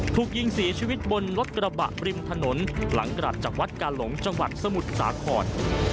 ถูกยิงเสียชีวิตบนรถกระบะริมถนนหลังกลับจากวัดกาหลงจังหวัดสมุทรสาคร